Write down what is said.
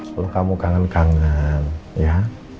suruh kamu kangen kangen ya